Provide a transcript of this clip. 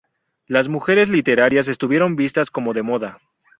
Las mujeres literarias estuvieron vistas como de moda.